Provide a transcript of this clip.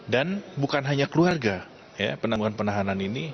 dan bukan hanya keluarga penangguhan penahanan ini